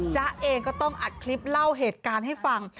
จ๊ะเองก็ต้องอัดคลิปเล่าเหตุการณ์ให้ฟัง